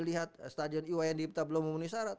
lihat stadion iwa yang diimta belum memenuhi syarat